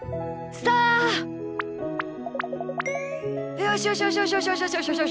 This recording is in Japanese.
よしよしよしよしよし。